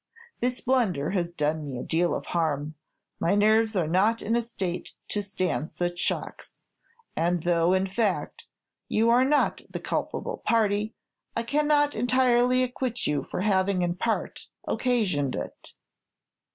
This blunder has done me a deal of harm. My nerves are not in a state to stand such shocks; and though, in fact, you are not the culpable party, I cannot entirely acquit you for having in part occasioned it.